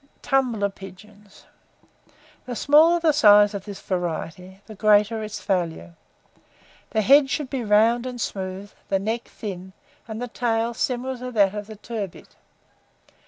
[Illustration: TUMBLER PIGEONS.] TUMBLER PIGEONS. The smaller the size of this variety, the greater its value. The head should be round and smooth, the neck thin, and the tail similar to that of the turbit.